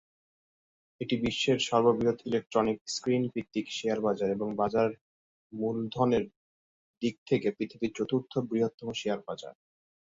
এটি বিশ্বের সর্ববৃহৎ ইলেক্ট্রনিক-স্ক্রিন ভিত্তিক শেয়ার বাজার এবং বাজার মূলধনের দিক থেকে পৃথিবীর চতুর্থ বৃহত্তম শেয়ার বাজার।